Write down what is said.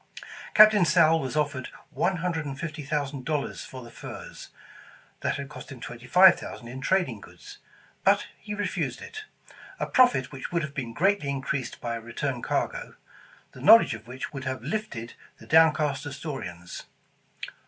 Captain Sowle was offered one hundred and fifty thousand dollars for the furs, that had cost him twenty five thousand in trading goods, but refused it; a profit which would have been greatly increased by a return cargo, the knowledge of which would have lifted the downcast Astorians.